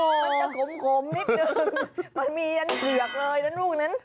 มันจะขมนิดนึงมันมียันเผือกเลยนะลูกนั้น